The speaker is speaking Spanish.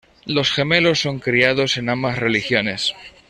Los gemelos son criados en ambas religiones.